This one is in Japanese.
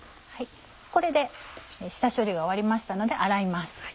これで下処理が終わりましたので洗います。